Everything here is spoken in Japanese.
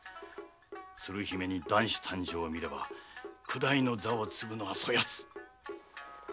鶴姫に男子誕生を見れば九代の座を継ぐのはそやつ。